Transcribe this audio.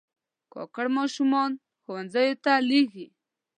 کاکړ ماشومان ښوونځیو ته لېږي.